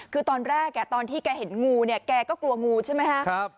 คือตอนแรกตอนที่แกเห็นงูเนี่ยแกก็กลัวงูใช่ไหมครับ